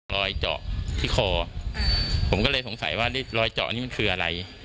รอยเจาะที่คอผมก็เลยสงสัยว่ารอยเจาะนี่มันคืออะไร